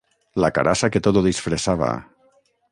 La carassa que tot ho disfressava...